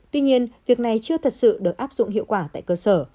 tuy nhiên việc này chưa thật sự được áp dụng hiệu quả tại cơ sở